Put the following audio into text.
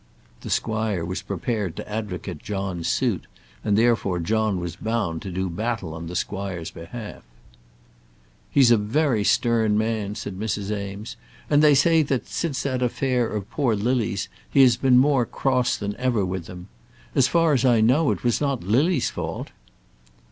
The squire was prepared to advocate John's suit, and therefore John was bound to do battle on the squire's behalf. "He is a very stern man," said Mrs. Eames, "and they say that since that affair of poor Lily's he has been more cross than ever with them. As far as I know, it was not Lily's fault."